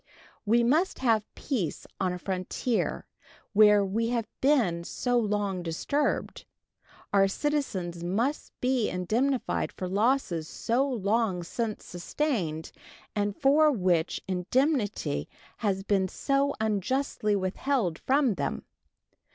We must have peace on a frontier where we have been so long disturbed; our citizens must be indemnified for losses so long since sustained, and for which indemnity has been so unjustly withheld from them.